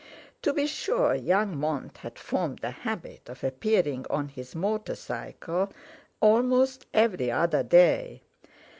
To be sure, young Mont had formed a habit of appearing on his motor cycle almost every other day.